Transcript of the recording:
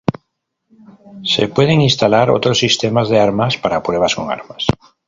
Se pueden instalar otros sistemas de armas para pruebas con armas.